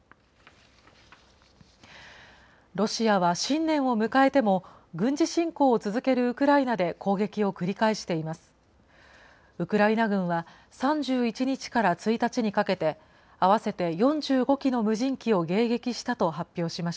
ロシアは新年を迎えても、軍事侵攻を続けるウクライナで攻撃を繰り返しています。